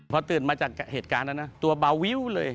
พอตื่นมาจากเหตุการณ์แล้วนะตัวเบาวิวเลย